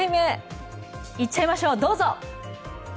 いっちゃいましょう、どうぞ！